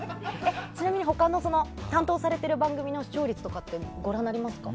ちなみに他の担当されている番組の視聴率とかってご覧になりました？